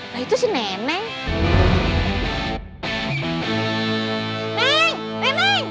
nah itu si nenek